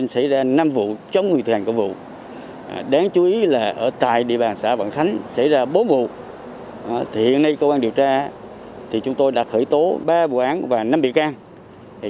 cả hai thanh niên đã nhanh chóng bị các lực lượng không chế